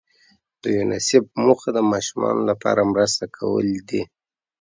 د یونیسف موخه د ماشومانو لپاره مرسته کول دي.